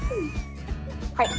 はい。